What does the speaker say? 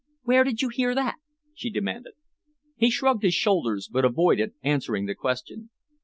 "Where did you hear that?" she demanded. He shrugged his shoulders, but avoided answering the question.